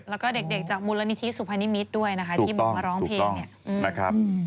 แล้วก็เด็กจากมุรณิทิสุพัณฑ์นิมิตรด้วยนะคะที่มาร้องเพลงนักครับ